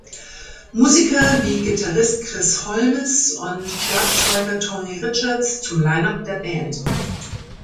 Musiker wie Gitarrist Chris Holmes und Schlagzeuger Tony Richards zum Line-Up der Band.